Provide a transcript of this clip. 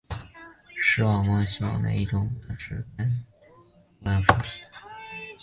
视网膜细胞带微绒毛的一侧称为感杆分体。